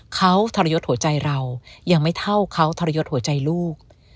เขาทรยศหัวใจเรายังไม่เท่าเขาทรยศหัวใจลูก